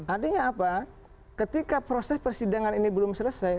artinya apa ketika proses persidangan ini belum selesai